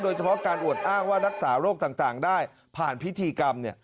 โดยเฉพาะการอวดอ้างว่ารักษาโรคต่างได้ผ่านพิธีกรรม